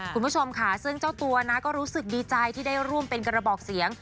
คุณผู้ชมค่ะซึ่งเจ้าตัวนะก็รู้สึกดีใจที่ได้ร่วมเป็นกระบอกเสียง